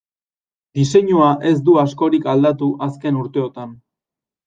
Diseinua ez du askorik aldatu azken urteotan.